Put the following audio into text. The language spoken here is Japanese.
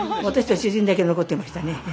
私と主人だけ残ってましたね。